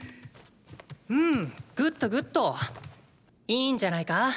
うんグッドグッド！いいんじゃないか？